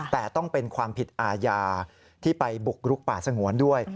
แต่ต้องเป็นความผิดอาญาที่ไปบุกรุกป่าสงวนด้วย